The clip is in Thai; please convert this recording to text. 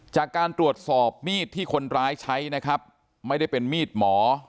จากการตรวจสอบมีดที่คนร้ายใช้นะครับไม่ได้เป็นมีดหมอ